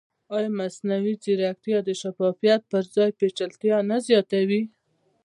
ایا مصنوعي ځیرکتیا د شفافیت پر ځای پېچلتیا نه زیاتوي؟